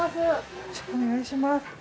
よろしくお願いします。